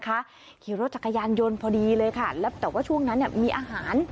ขี่รถจักรยานยนต์พอดีเลยค่ะแล้วแต่ว่าช่วงนั้นมีอาหาร